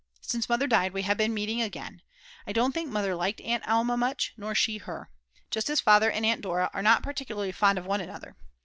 Since Mother died we have been meeting again. I don't think Mother liked Aunt Alma much, nor she her. Just as Father and Aunt Dora are not particularly fond of one another.